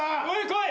来い。